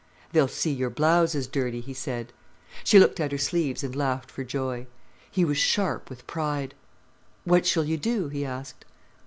"They'll see your blouse is dirty," he said. She looked at her sleeves and laughed for joy. He was sharp with pride. "What shall you do?" he asked.